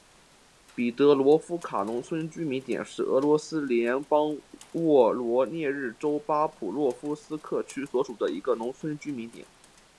彼得罗夫卡农村居民点是俄罗斯联邦沃罗涅日州巴甫洛夫斯克区所属的一个农村居民点。